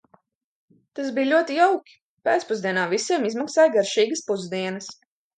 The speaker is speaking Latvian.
Tas bija ļoti jauki, pēcpusdienā visiem izmaksāja garšīgas pusdienas.